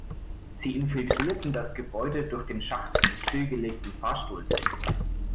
Sie infiltrieren das Gebäude durch den Schacht des stillgelegten Fahrstuhls.